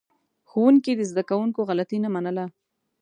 ښوونکي د زده کوونکو غلطي نه منله.